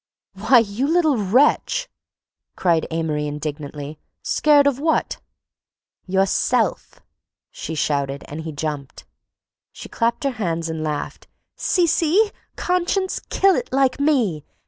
"Why, you little wretch—" cried Amory indignantly. "Scared of what?" "Yourself!" she shouted, and he jumped. She clapped her hands and laughed. "See—see! Conscience—kill it like me!